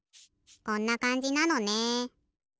こんなかんじなのね。